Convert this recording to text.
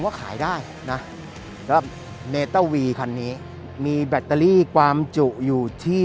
ว่าขายได้นะแล้วเนเตอร์วีคันนี้มีแบตเตอรี่ความจุอยู่ที่